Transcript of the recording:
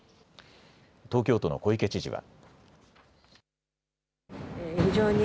東京都の小池知事は。